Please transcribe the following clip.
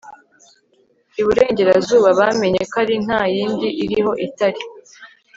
iburengerazuba bamenye ko ari nta yindi iriho itari